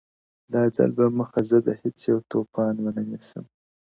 دا ځل به مخه زه د هیڅ یو توپان و نه نیسم.